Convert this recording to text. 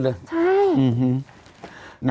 ใช่